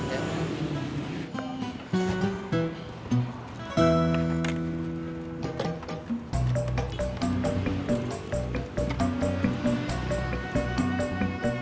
dengan lalu nanti